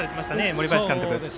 森林監督。